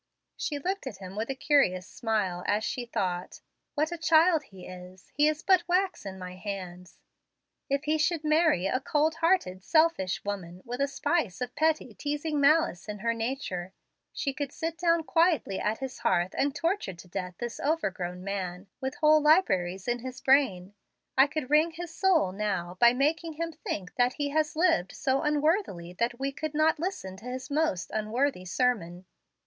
She looked at him with a curious smile, as she thought, "What a child he is! He is but wax in my hands. If he should marry a cold hearted, selfish woman, with a spice of petty, teasing malice in her nature, she could sit down quietly at his hearth and torture to death this overgrown man, with whole libraries in his brain. I could wring his soul now, by making him think that he had lived so unworthily that we could not listen to his most unworthy sermon."